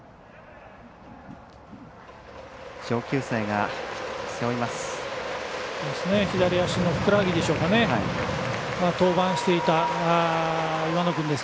上級生が背負います。